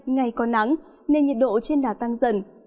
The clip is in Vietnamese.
ngày có nắng nên nhiệt độ trên đà tăng dần